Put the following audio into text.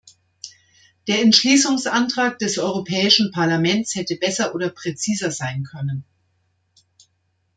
Der Entschließungsantrag des Europäischen Parlaments hätte besser oder präziser sein können.